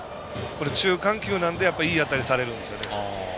中間球なんでいい当たりされるんですよね。